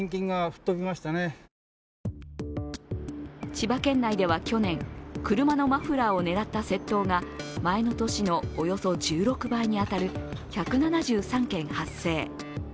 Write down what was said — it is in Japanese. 千葉県内では去年、車のマフラーを狙った窃盗が前の年のおよそ１６倍に当たる１７３件発生。